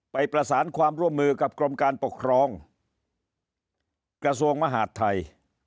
ประสานความร่วมมือกับกรมการปกครองกระทรวงมหาดไทย